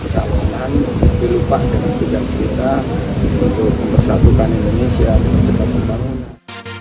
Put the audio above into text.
kita lupa dengan kejangan kita untuk mempersatukan indonesia dengan cekap kebangunan